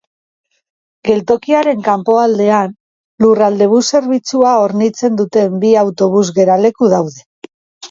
Geltokiaren kanpoaldean Lurraldebus zerbitzua hornitzen duten bi autobus geraleku daude.